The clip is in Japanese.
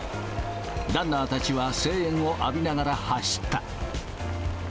ランナーたちは声援を浴びながら走った。